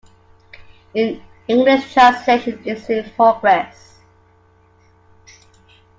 An English translation is in progress.